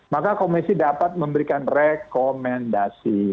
maka komisi dapat memberikan rekomendasi